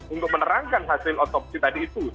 untuk menerangkan hasil otopsi tadi itu